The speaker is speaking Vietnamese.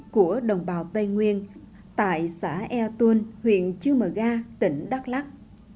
của đồng bào tây nguyên tại xã ea tôn huyện chư mờ ga tỉnh đắk lắc